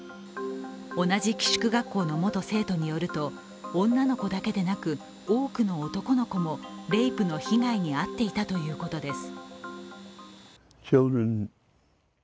同じ寄宿学校の元生徒によると、女の子だけでなく多くの男の子もレイプの被害に遭っていたということです。